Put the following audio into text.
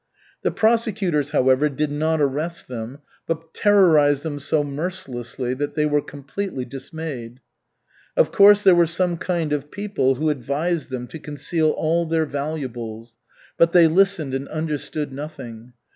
The prosecutors, however, did not arrest them, but terrorized them so mercilessly that they were completely dismayed. Of course there were some kind people who advised them to conceal all their valuables, but they listened and understood nothing.